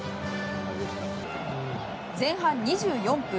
前半２４分。